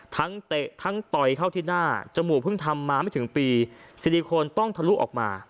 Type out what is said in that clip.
เตะทั้งต่อยเข้าที่หน้าจมูกเพิ่งทำมาไม่ถึงปีซิลิโคนต้องทะลุออกมา